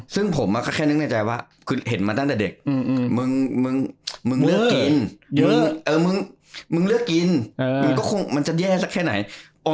ซึ่งผมก็แค่นึกในใจว่าเห็นมาตั้งแต่เด็ก